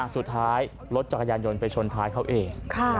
สุดท้ายรถจักรยานยนต์ไปชนท้ายเขาเอง